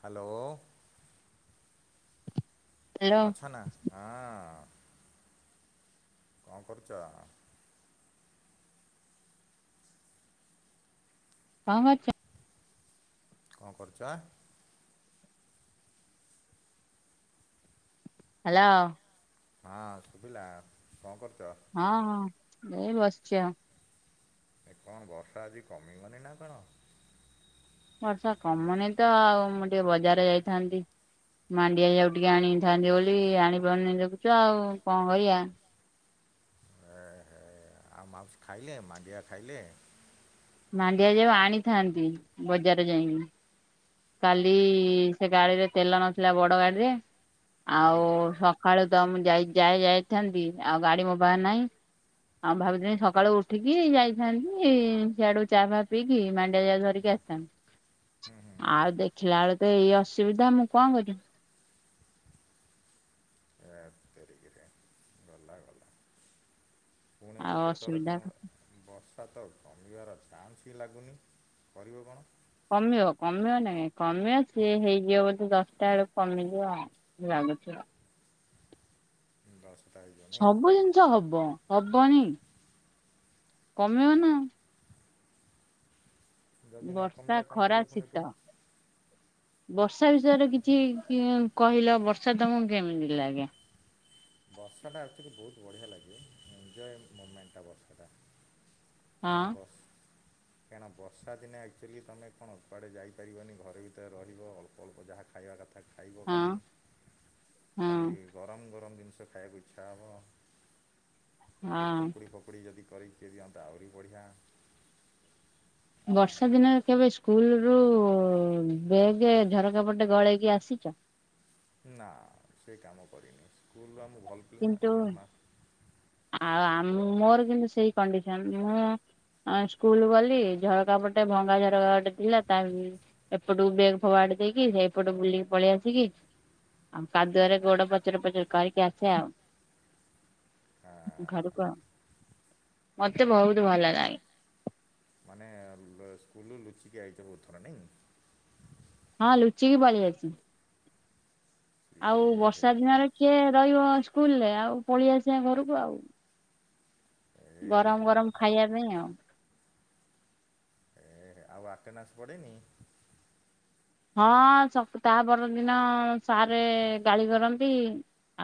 Hello. Hello ଅଛ ନା ହଁ। କଣ କରୁଛ। ଙ୍କ କରୁଚ। କଣ କରୁଚ। ହ୍ୟାଲୋ। ହଁ ଶୁଭିଲା କଣ କରୁଛ। ହଁ ହଁ ଏଇ ବସିଛି ଆଉ। ଏ କଣ ବର୍ଷା ଆଜି କମିବନି ନା କଣ। ବର୍ଷା କମୁନି ତ ଆଉ ମୁଁ ଟିକେ ବଜାର ଯାଇଥାନ୍ତି। ମାଣ୍ଡିଆ ଯାଉ ଟିକେ ଆଣିଥାନ୍ତି ବୋଲି ଆଣିପାରୁ ନେଇ ଦେଖୁଚ ଆଉ କଣ କରିବା। ଏ ହେ ଆଉ ମାଉସୀ ଖାଇଲେ ମାଣ୍ଡିଆ ଖାଇଲେ। ମାଣ୍ଡିଆ ଯାଉ ଆଣିଥାନ୍ତି ବଜାର ଯାଇକି। କାଲି ସେ ଗାଡିରେ ତେଲ ନଥିଲା ବଡ ଗାଡିରେ। ହୁଁ ଆଉ ସକାଳୁ ତ ମୁଁ ଯ ଯାଇ ଯାଇ ଥାନ୍ତି ଆଉ ଗାଡି ମୋ ପାରେ ନାହିଁ। ଆଉ ଭାବୁଥିଲି ସକାଳୁ ଉଠିକି ଯାଇଥାନ୍ତି ସିଆଡୁ ଚା ଫା ପିଇକି ମାଣ୍ଡିଆ ଯାଉ ଧରିକି କି ଆସିଥାନ୍ତି। ଆଉ ଦେଖିଲା ବେଳ ତ ଏଇ ଅସୁବିଧା ମୁଁ କଣ କରିବି। ହେତ୍ ତେରୀକିରା। ଗଲା ଗଲା। ପୁଣି ଏଠୁ ଆଉ କେତେବେଳେ ଅସୁବିଧା କଣ ବର୍ଷା ତ କମିବାର ଚାନ୍ସ ହିଁ ଲାଗୁନି କରିବ କଣ। କମିବ କମିବ ନାଇଁ କମିଅ ସ ହେଇଯିବ ବୋଧେ ଦଶଟା ବେଳୁ କମିଯିବ ଆଉ। ଲାଗୁଛିଅ। ଦଶଟା ହେ ସବୁ ଜିନିଷ ହବ ହବନି। କମିବ ନା। ଯଦି ନ ବର୍ଷା, କମିଲା କ'ଣ ଖରା, କରିବ ପୁଣି ଏଠୁ ଶୀତ। ବର୍ଷା ବିଷୟରେ କିଛି କହିଲ ବର୍ଷା ତମକୁ କେମିତି ଲାଗେ? ବର୍ଷାଟା ଆକଚୁଆଲି ବହୁତ ବଢ଼ିଆ ଲାଗେ ଏନଜୟେ ମୁମେଣ୍ଟଟା ବର୍ଷାଟା। ହଁ କେଣା ବସ କାହିଁକନା ବର୍ଷା ଦିନ ଆକଚୁଆଲି ତମେ କଣ କୁଆଡ଼େ ଯାଇ ପାରିବନି ଘରେ ଭିତରେ ରହିବ ଅଳ୍ପ ଅଳ୍ପ ଯାହା ଖାଇବା କଥା କ ଖାଇବ ହଁ ଖାଲି ହଁ ଖାଲି ଗରମ ଗରମ ଜିନିଷ ଖାଇବାକୁ ଇଚ୍ଛା ହବ ଟିକେ ହଁ ପକୁଡ଼ି ଫକୁଡ଼ି ଯଦି କରିିକି ଦିଅନ୍ତା ଆହୁରି ବଢ଼ିଆ। ବର୍ଷା ଦିନ କେବେ ସ୍କୁଲ ରୁ ବେଗେ ଝରକା ପଟେ ଗଳେଇକି ଆସିଚ? ନା ସେ କାମ କରିନି ସ୍କୁଲରୁ ଆମଁ ଭଲ ପିଲା କିନ୍ତୁ ଜମା ଆଉ ମୋର କିନ୍ତୁ ସେଇ କଣ୍ଡିସନ ମୁଁ ଆଁ ସ୍କୁଲ ଗଲି ଝରକା ପଟେ ଭଙ୍ଗା ଝରକା ପଟେ ଥିଲା ତା। ଏପଟୁକୁ ବେଗ୍ ଫଗାଡି ଦେଇକି ସେ ଏପଟେ ବୁଲିକି ପଳେଇ ଆସିକି। ଆଉ କାଦୁଆରେ ଗୋଡ ପଚର ପଚର କରିକି ଆସ ସେ ଆଉ ଘରୁ କୁ। ମତେ ବହୁତୁ ଭଲ ଲାଗେ। ମାନେ ସ୍କୁଲରୁ ଲୁଚିକି ଆଇଛ ବହୁଥର ନାଇ। ହଁ ଲୁଚିକି ପଳେଇ ଆସି ଆଉ ଏ ହେ ବର୍ଷା ଦିନରେ। କିଏ ରହିବ ସ୍କୁଲ ରେ ଆଉ ପଳେଇ ଆସିବା ଘରକୁ ଆଉ। ଏ ଗରମ ହେ ଗରମ ଖାଇବା ପାଇଁ ଆଉ। ଏ ଆଉ ଆଟେଣ୍ଡାନ୍ସ ପଡେନି। ହଁ ତା ପରଦିନ ସାରେ ଗାଳି କରନ୍ତି।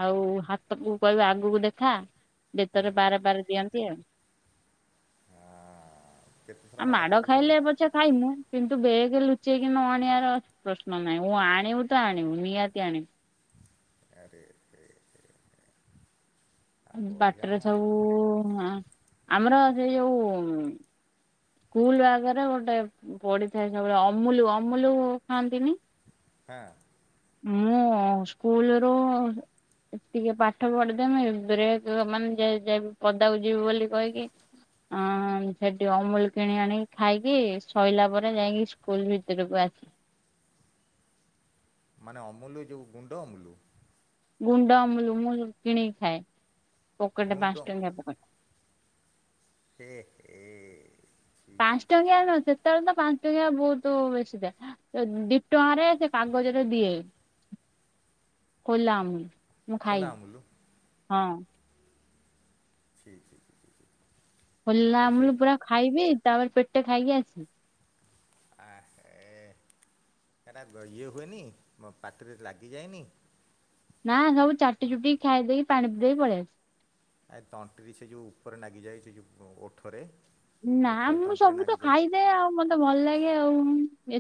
ଆଉ ହାତକୁ କହିବେ ଆଗକୁ ଦେଖା ହୁଁ ବେତରେ ପାହାରେ ପାହାରେ ଦିଅନ୍ତି ଆଉ। କେତେଥର ଆଉ ମାଡ଼ ମାଡ ଖାଇଛ ସେଭଳିଆ ଖାଇଲେ ପଛେ ଖାଇ ମୁୁ କିନ୍ତୁ ବେଗ ଲୁଚେଇକି ନ ଆଣିବାର ପ୍ରଶ୍ନ ନାହିଁ ମୁଁ ଆଣିବୁ ତ ଆଣିବୁ ନିହାତି ଆଣିବି। ଆରେ ରେ ରେ ବଢ଼ିଆ ବାଟରେ ସବୁ ଆମର ସେ ଯୋଉ। ସ୍କୁଲ ଆଗରେ ଗୋଟେ ପଡିଥାଏ ସବୁବେଳେ ଅମୁଲୁ ଅମୁଲୁ ଖାଆନ୍ତିନି। ହଁ। ମୁଁ ସ୍କୁଲ ରୁ। ଟିକେ ପାଠ ପଢିଦେମି ବ୍ରେକେ ଏ ମାନେ ଯି ଯେ ପଦାକୁ ଯିବି ବୋଲି କହିକି। ଅଁ ସେଠି ଅମୁଲୁ କିଣି ଆଣିକି ଖାଇକି ସୋଇଲା ପରେ ଯାଇକି ସ୍କୁଲ ଭିତରକୁ ଆସି ମାନେ ଅମୁଲୁ ଯଉ ଗୁଣ୍ଡ ଅମୁଲୁ। ଗୁଣ୍ଡ ଅମୁଲୁ ମୁ କିଣିକି ଖାଏ ପକେଟ ଗୁଣ୍ଡ ପାଞ୍ଚ ଟଙ୍କିଆ ପକେଟ। ହେ ହେ। ଛି ଛି ପାଞ୍ଚ ଛି ଟଙ୍କିଆ ଛି ନ ସେତେବେଳେ ତ ପାଞ୍ଚ ଟଙ୍କିଆ ବହୁତ ବେଶୀ ଦେ ଦିଟଙ୍କାରେ ସେ କାଗଜରେ ଦିଏ ଖୁଲା ଅମୁଲୁ। ମୁଁ ଖୋଲା ଖାଇ ଅମୁଲ ହଁ। ଠିକ୍ ଠିକ୍। ଖୋଲା ଆମୁଲ ପୁରା ଖାଇବି ତାପରେ ପେଟେ ଖାଇକି ଆସି ଆ ହେ ସେଟା ଇଏ ହୁଏନି ମୋ ପାଟିରେ ଲାଗିଯାଏନି। ନା ସବୁ ଚାଟି ଚୁଟି ଖାଇ ଦେଇକି ପାଣି ପି ଦେଇ ପଳେଇ ଆସ ଆ ତଣ୍ଟିରେ ସେ ଯଉ ଉପରେ ନାଗିଯାଏ ସେ ଯଉ ଓଠରେ। ନା ଓଠ ମୁଁ ତଣ୍ଟିରେ ସବୁ ତ ନାଗିଯାଏ ଖାଇ ଆଉ ମତେ ଭଲ ଲାଗେ ଆଉ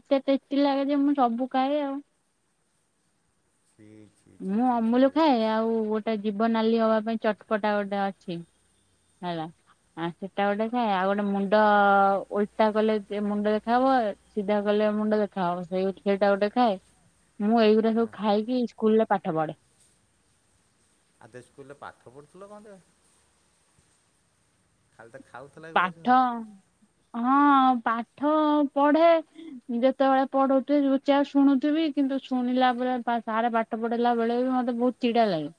ଏତେ ଟେଷ୍ଟି ଲାଗେ ଯେ ମୁଁ ସବୁ ଖାଏ ଆଉ। [unintelligible] ମୁଁ ଛି ଛି ଅମୁଲ ଛି। ଖାଏ ଆଉ ଗୋଟେ ଜୀବନାଲି ହବା ପାଇଁ ଚଟପଟା ଗୋଟେ ଅଛି ହେଲା। ଆଁ ସେଟା ଗୋଟେ ଥାଏ ଆଉ ଗୋଟେ ମୁଣ୍ଡ ଓଲଟା କଲେ ମୁଣ୍ଡ ଦେଖାହବ ସିଧା କଲେ ମୁଣ୍ଡ ଦେଖାହବ ସେଇ ସେଇଟା ଗୋଟେ ଖାଏ ମୁଁ ଏଇଉରା ସବୁ ଖାଇକି ସ୍କୁଲରେ ପାଠ ପଢ଼େ। ଆଦେ ସ୍କୁଲରେ ପାଠ ପଢ଼ୁଥିଲ କଟେ ଖାଲିତ ପାଠ ହଁ ପାଠ ପଢ଼େ ଯେତେବେଳେ ପଢ଼ଉଥିବେ ଚୁପଚାପ୍ ଶୁଣୁଥିବି କିନ୍ତୁ ଶୁଣିଲା ପରେ ସାର୍ ପାଟି ପାଠ ପଢ଼େଇଲା ବେଳେବି ମତେ ବହୁତ୍ ଚିଡ଼ା ଲାଗେ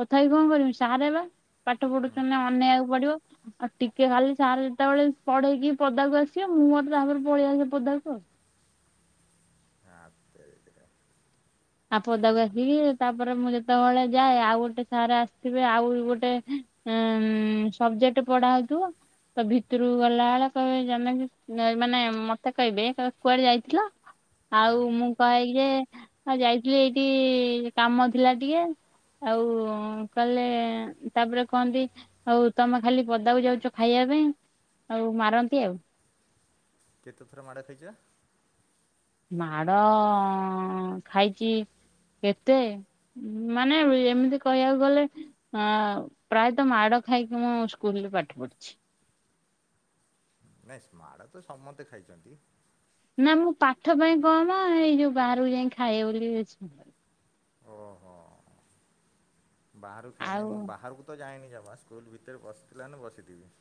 ତଥାପି କଣ କରିମି ସାର୍ ବା ପାଠ ପଢୁଛନ୍ତି ଅନେଇବାକୁ ପଡ଼ିବ ଆଉ ଟିକେ କିଏ ଖାଲି ସାର୍ ଯେତେବେଳେ ପଢେଇକି ପଦାକୁ ଆସିବେ ମୁଁହେତେ ତାପରେ ପଳେଇଆସେ ପଦାକୁ ଆଉ। ହା ତେରିକା। ଆଉ ପଦାକୁ ଆସିକି ତାପରେ ମୁଁ ଯେତେବେଳେ ଯାଏ ଆଉ ଗୋଟେ ସାର୍ ଆସିଥିବେ ଆଉ ଗୋଟେ ଉ ସବଜେକ୍ଟ ପଢ଼ା ହେଉଥିବ ତାଭିତରକୁ ଗଲା ବେଳେ କହିବେ ଜମେକ ମାନେ ମତେ କହିବେ କୁଆଡ଼େ ଯାଇଥିଲ? ଆଉ ମୁଁ କହେଯେ ଆଉ ଯାଇଥିଲି ଏଇଠି କାମ ଥିଲା ଟିକେ ଆଉ କହିଲେ ତାପରେ କହନ୍ତି ଆଉ ତମେ ଖାଲି ପଦାକୁ ଯାଉଚ ଖାଇବା ପାଇଁ ଆଉ ମାରନ୍ତି ଆଉ। କେତେଥର ମାଡ଼ ଖାଇଛ? ମାଡ଼ ଖାଇଚି କେତେ ମାନେ ଏମିତି କହିବାକୁ ଗଲେ ଅଁ ପ୍ରାୟତଃ ମାଡ଼ ଖାଇକି ମୁଁ ସ୍କୁଲରେ ପାଠ ପଢିଛି। ନାଇଁ ସ୍ମଢ଼ତ ସମସ୍ତେ ଖାଇଚନ୍ତି ନା ମୁଁ ପାଠ ପାଇଁ କମା ଏଇ ଯୋଉ ବାହାରକୁ ଯାଇ ଖାଏ ବୋଲି ବେସି ଓହୋ ବାହାରକୁ ଖାଏ ନାହିଁ ଆଉ ମୁଁ ବାହାରକୁ ତ ଯାଏନି ଜମା ସ୍କୁଲ୍ ଭିତେରେ ବସିଥିଲା ମାନେ ବସିଥିବି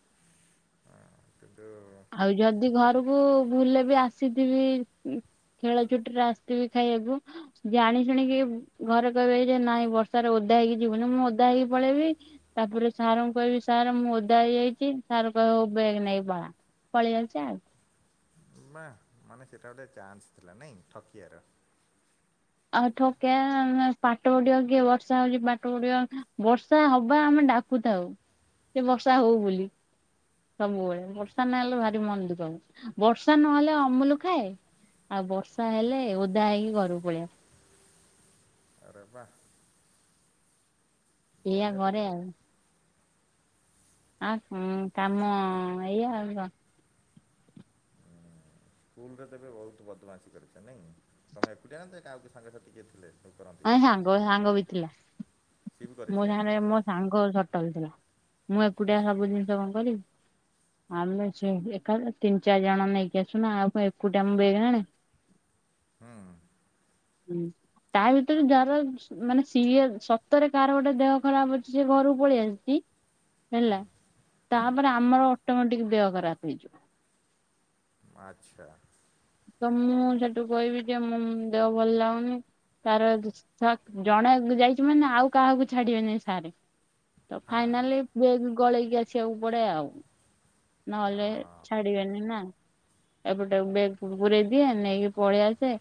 ହଁ କିନ୍ତୁ ଆଉ ଯଦି ଘରକୁ ଭୁଲରେବି ଆସିଥିବି ଉଁ ଖେଳ ଛୁଟିରେ ଆସିଥିବି ଖାଇବାକୁ ଜାଣି ଶୁଣିକି ଘରେ କହିବେ ହେଇରେ ନାଇଁ ବର୍ଷାରେ ଓଦା ହେଇକି ଯିବୁନି ମୁଁ ଓଦା ହେଇକି ପଳେଇବି ତାପରେ ସାରଙ୍କୁ କହିବି ସାର୍ ମୁଁ ଓଦା ହେଇଯାଇଛି ସାର୍ କହିବେ ହୋଉ ବେଗ୍ ନେଇକି ପଳା। ପଳେଇ ଆସେ ଆଉ। ବାଃ ମାନେ ସେଇଟା ଗୋଟେ ଚାନ୍ସ ଥିଲା ନାଇଁ ଠକିବାର? ଆଉ ଠକିବା ପାଠ ପଢ଼ିବାକୁ କିଏ ବର୍ଷା ହୋଉଛି ପାଠ ପଢ଼ିବ ବର୍ଷା ହବା ଆମେ ଡାକ୍ ଡାକୁଥାଉ କି ବର୍ଷା ହୋଉ ବୋଲି। ସବୁବେଳେ ଆଚ୍ଛା ବର୍ଷା ନହେଲେ ଭାରି ମନଦୁଃଖ ହବ। ବର୍ଷା ନହେଲେ ଅମୁଲୁ ଖାଏ ଆଉ ବର୍ଷା ଆଚ୍ଛା ହେଲେ ଓଦା ହେଇକି ଘରକୁ ପଳେଇ ଆସେ। ଆରେ ବାଃ। ଏଇଆ ବଢ଼ିଆ ତ କରେ ଦେବେ ଆଉ। ଆଁ ହୁଁ କାମ ଏଇଆ ଆଉ କଣ? ସ୍କୁଲରେ ତେବେ ବହୁତ୍ ବଦମାସି କରିଛ ନାଇଁ ତମେ ଏକୁଟିଆନା କାଳେ ଆଉ କିଏ ସାଙ୍ଗ ସାଥୀ କିଏ ଥିଲେ? ସବୁ କରନ୍ତି ନାଇଁ ସାଙ୍ଗ ସାଙ୍ଗବି ଥିଲା। ସିଏ ବି କରେ ମୋ ସେଇଆ। ସାଙ୍ଗେରେ ମୋ ସାଙ୍ଗ ସଟଲ୍ ଥିଲା ମୁଁ ଏକୁଟିଆ ସବୁ ଜିନିଷ କଣ କରିବି। ଆମେ ସେମିତି ଏକାବେଳେ ତିନ୍ ଚାରି ଜଣ ନେଇକି ଆସୁନା ଆଉ କଣ ଏକୁଟିଆ ମୁଁ ବେକେ ଆଣେ। ହଁ। ହୁଁ ତାଭିତରେ ଯାହାର ମାନେ ସିଏ ସତରେ କାହାର ଗୋଟେ ଦେହ ଖରାପ୍ ଅଛି ସିଏ ଘରକୁ ପଳେଇ ଆସିଛି ହେଲା ତାପରେ ଆମର ଅଟୋମେଟିକ୍ ଦେହ ଖରାପ୍ ହେଇଯିବ। ଆଚ୍ଛା। ତ ମୁଁ ସେଠୁ କହିବି ଯେ ମୁଁ ମୋ ଦେହ ଭଲ୍ ଲାଗୁନି। ସାର୍ ଆଉ ଜଣେ ଯାଇଛି ମାନେ ଆଉ କାହାକୁ ଛାଡିବେନି ସାରେ। ତ ହଁ ଫାଇନାଲି ବେଗେ ଗଳେଇକି ଆସିବାକୁ ପଡ଼େ ଆଉ ନହେଲେ ହଁ ଛାଡ଼ି ବେନି ନା ଏପଟେ ଆଉ ବେଗକୁ ପୁରେଇ ଦିଏ ନେଇକି ପଳେଇ ଆସେ।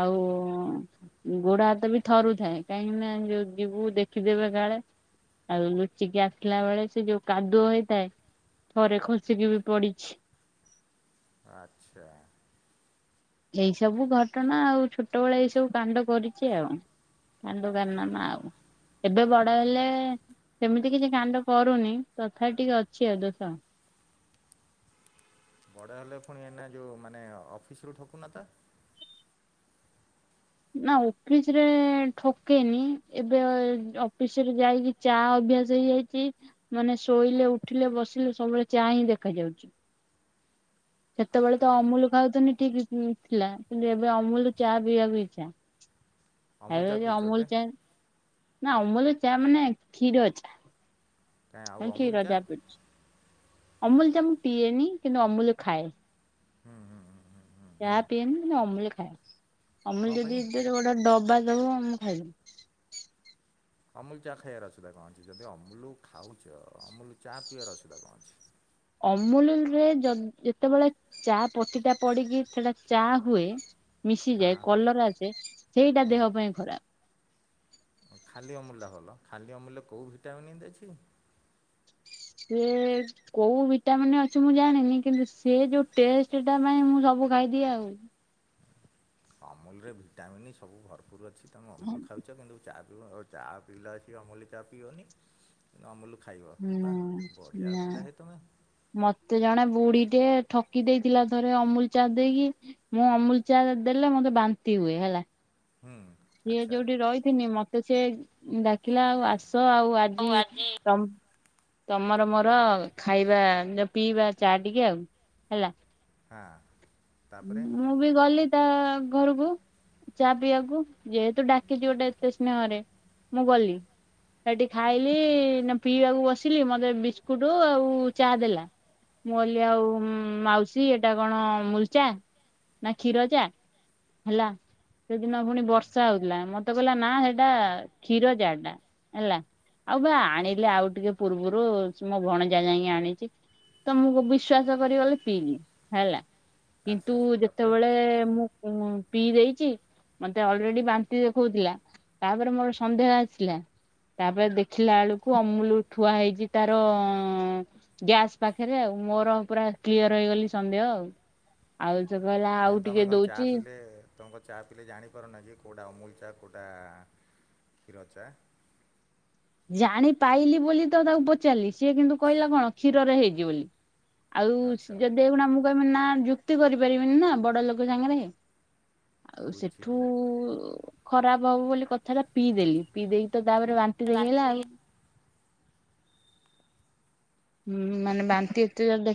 ଆଉ ଗୋଡ଼ ହାତ ବି ଥରୁଥାଏ କାହିଁକି ନା ଯୋଉ ଯିବୁ ଦେଖି ଦେବେ କାଳେ। ଆଉ ଲୁଚିକି ଆସିଲା ବେଳେ ସେ ଯୋଉ କାଦୁଅ ହେଇଥାଏ। ଥରେ ଖସିକି ବି ପଢ଼ିଛି। ଆଚ୍ଛା। ଏଇ ସବୁ ଘଟଣା ଆଉ ଛୋଟ ବେଳେ ଏଇ ସବୁ କାଣ୍ଡ କରିଛି ଆଉ। କାଣ୍ଡ କାର୍ଣ୍ଣମା ଆଉ ଏବେ ବଡ଼ ହେଲେ ସେମିତି କିଛି କାଣ୍ଡ କରୁନି ତଥାପି ଟିକେ ଅଛି ଆଉ ଦୋଷ। ବଡ଼ ହେଲେ ଫୁଣି ଏଇନା ଯୋଉଁ ମାନେ ଅଫିସରୁ ଠକୁନ ତ? ନା ଅଫିସ୍ ରେ ଠକେନି ଏବେ ଅଫିସ୍ ରୁ ଯାଇକି ଚା ଅଭ୍ୟାସ ହେଇଯାଇଛି। ମାନେ ଶୋଇଲେ ଉଠିଲେ ବସିଲେ ସବୁବେଳେ ଚା ହିଁ ଦେଖାଯାଉଚି। ସେତେବେଳେ ତ ଆଦବ। ଅମୁଲୁ ଖାଉଥିଲି ଠିକ୍ ହିଁ ଥିଲା କିନ୍ତୁ ଏବେ ଅମୁଲୁ ଚା ପିଇବାକୁ ଇଚ୍ଛା ଚା ଅମୁଲ ଚା ଅଗୁରୁ ଯୋଉ ପିଉଛ ଅମୁଲୁ ଏବେ ଚା ନା ଅମୁଲ୍ ଚା ମାନେ କ୍ଷୀର ଚା। କାଇଁ ଆଉ ନାଇଁ ଅମୁଲ କ୍ଷୀର ଚା ପିଉଛି ଅମୁଲ୍ ଚା ମୁଁ ପିଏନି କିନ୍ତୁ ଅମୁଲ୍ ଖାଏ। ହଁ ହଁ ହଁ ହଁ ହଁ। ଚା ପିଏନି କିନ୍ତୁ ଅମୁଲ୍ ଖାଏ କଣ ଅମୁଲ୍ ପାଇଁ ଯଦି ମତେ ଗୋଟେ ଡବା ଦବ ମୁଁ ଖାଇଦେବି। ଅମୁଲ୍ ଚା ଖାଇବାର ଅସୁବିଧା କଣ ଅଛି ଯଦି ଅମୁଲ୍ ଖାଉଚ ଅମୁଲ୍ ଚା ପିଇବାରେ ଅସୁବିଧା କଣ ଅଛି? ଅମୁଲ୍ ରେ ଯଦି ଯେତେବେଳେ ଚା ପତିଟା ପଡିକି ସେଟା ଚା ହୁଏ ମିଶିଯାଏ କଲର୍ ଆସିଯାଏ ସେଇଟା ଦେହ ପାଇଁ ଖରାପ୍। ଖାଲି ଅମୁଲାଟା ଭଲ ଖାଲି ଅମୁଲରେ କୋଉ ଭିଟାମିନ୍ ଏମିତି ଅଛି କି? ହୁଁ। କୋଉ ଭିଟାମନ୍ ଅଛି ମୁଁ ଜାଣିନି କିନ୍ତୁ ସେ ଯୋଉ ଟେଷ୍ଟଟା ପାଇଁ ମୁଁ ସବୁ ଖାଇଦିଏ ଆଉ। ଅମୁଲରେ ଭିଟାମିନ୍ ସବୁ ଭରପୁର ଅଛି ତୁମେ ହୁଁ ଅମୁଲ ଖାଉଛ କିନ୍ତୁ ଚା ପିଇବ ଚା ପିଇଲା ଅଛି ଅମୁଲି ଚା ପିଇବନି। ଅମୁଲ ଖାଇବ ବା ବଢ଼ିଆ ନା ପିଲା ହେ ତୁମେ। ମତେ ଜଣେ ବୁଢୀ ଟେ ଠକି ଦେଇଥିଲା ଥରେ ଅମୁଲ ଚା ଦେଇକି। ମୁଁ ଅମୁଲ ଚା ଦେଲେ ମତେ ବାନ୍ତି ହୁଏ ହେଲା। ହୁଁ। ସିଏ ଆଚ୍ଛା ଯୋଉଠି ରହିଥିନି ମତେ ସିଏ ଡାକିଲା ଆଉ ଆସ ଆଉ ଆଜି ତ ତମର ମୋର ଖାଇବା ପିଇବା ଚା ଟିକେ ଆଉ ହେଲା। ହଁ ତାପରେ। ମୁଁ ବି ଗଲି ତା ଘରକୁ ଚା ପିଇବାକୁ। ଯେହେତୁ ଡାକିଛି ଗୋଟେ ଏତେ ସ୍ନେହରେ ମୁଁ ଗଲି ସେଠି ଖାଇଲି। ପିଇବାକୁ ବସିଲି ମତେ ବିସ୍କୁଟ ଆଉ ଚା ଦେଲା। ମୁଁ କହିଲି ଆଉ ମାଉସୀ ଏଇଟା କଣ ଅମୂଲ ଚା ନା କ୍ଷୀର ଚା। ହେଲା। ସେଦିନ ପୁଣି ବର୍ଷା ହଉଥିଲା ମତେ କହିଲା ନା ସେଇଟା କ୍ଷୀର ଚା ଟା ହେଲା। ଆଉ ବା ଆଣିଲେ ଆଉ ଟିକେ ପୂର୍ବରୁ ମୋ ଭଣଜା ଯାଇକି ଆଣିଛି। ତ ମୁଁ ବିଶ୍ଵାସ କରି ଗଲି ପିଇଲିି ହେଲା କିନ୍ତୁ ଆଚ୍ଛା ତାପରେ ଯେତେବେଳେ ମୁଁ ମୁଁ ପିଇ ଦେଇଛି ମତେ ଅଲରେଡି ବାନ୍ତି ଦେଖଉଥିଲା। ତାପରେ ମୋର ସଧ୍ୟେହ ଆସିଲା ତାପରେ ଦେଖିଲା ବେଳକୁ ଅମୁଲ ଥୁଆ ହେଇଛି ତାର ଗ୍ୟାସ୍ ପାଖରେ ଆଉ ମୋର ପୁରା କ୍ଲିୟର ହେଇଗଲି ସନ୍ଦେହ ଆଉ। ଆଉ ସେ କହିଲା କାହିଁ ଆଉ ତମେ ଟିକେ କଣ ଚା ଦଉଛି। ପିଇଲେ ତମେ କଣ ଚାଆ ପିଇଲେ ଜାଣିପାରନା କି କୋଉଟା ଅମୁଲ ଚାଆ କୋଉଟା କ୍ଷୀର ଚାଆ? ଜାଣି ପାଇଲି ବୋଲି ତ ତାକୁ ପଚାରିଲି ସିଏ କିନ୍ତୁ କହିଲା କଣ କ୍ଷୀରରେ ହେଇଛି ବୋଲି, ଆଉ ଆଚ୍ଛା ଯଦି ଏଇକ୍ଷୁଣା ମୁଁ କହିବି ନା ଯୁକ୍ତି କରିପାରିବିନି ନା ବଡ ଲୋକ ସାଙ୍ଗରେ। ଆଉ ସେଠୁ ବୁଝିଲି। ଖରାପ ହବ ବୋଲି କଥାଟା ପିଇଦେଲି ପିଇ ଦେଇକି ତ ତାପରେ ବାନ୍ତି ବାଣ୍ଟି ଦେଖେଇଲା ଦେଇକି ଆଉ ଉଁ-ଉଁ-ଉଁ ମାନେ ବାନ୍ତି ଏତେ ଜୋର୍ ଦେଖେ